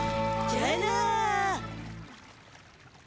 じゃあな！